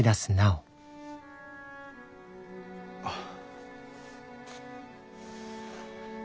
あっ。